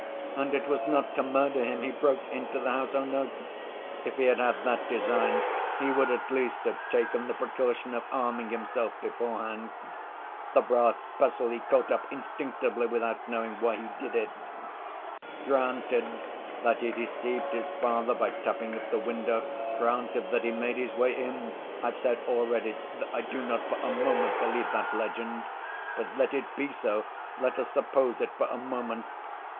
And it was not to murder him he broke into the house, oh, no! If he had had that design he would, at least, have taken the precaution of arming himself beforehand. The brass pestle he caught up instinctively without knowing why he did it. Granted that he deceived his father by tapping at the window, granted that he made his way in—I've said already that I do not for a moment believe that legend, but let it be so, let us suppose it for a moment.